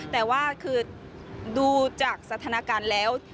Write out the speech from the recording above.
แต่ว่าคือดูจากสถานการณ์แล้ว